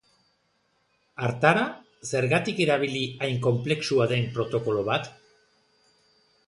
Hartara, zergatik erabili hain konplexua den protokolo bat?